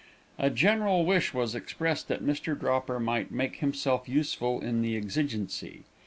A general wish was expressed that Mr. Dropper might make himself useful in the exigency.